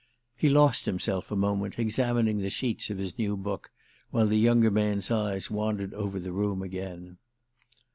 He lost himself a moment, examining the sheets of his new book, while the younger man's eyes wandered over the room again.